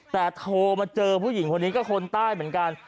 แต่โทรมาเจอผู้หญิงคนนี้ก็คนใต้เหมือนกัน